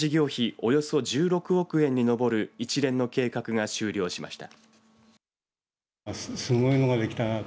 およそ１６億円に上る一連の計画が終了しました。